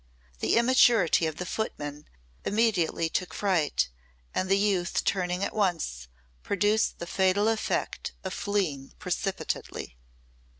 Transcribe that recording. The immaturity of the footman immediately took fright and the youth turning at once produced the fatal effect of fleeing precipitately.